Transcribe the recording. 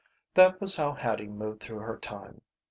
That was how Hattie moved through her time.